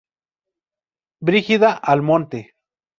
Brígida Almonte.